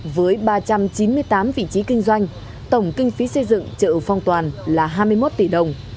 với ba trăm chín mươi tám vị trí kinh doanh tổng kinh phí xây dựng chợ phong toàn là hai mươi một tỷ đồng